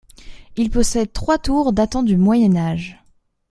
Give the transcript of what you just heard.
Il possède trois tours datant du Moyen-Age.